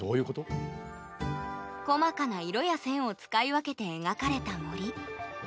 細かな色や線を使い分けて描かれた森。